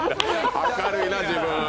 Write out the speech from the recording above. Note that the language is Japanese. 明るいな、自分。